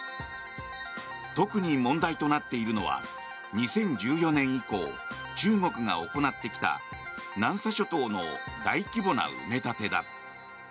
特に問題となっているのは２０１４年以降中国が行ってきた南沙諸島の大規模な埋め立てだ。